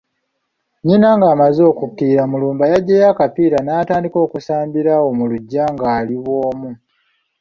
Nnyina ng’amaze okukkirira, Mulumba najjayo akapiira natandika okusambira awo mu luggya ng’ali bwomu.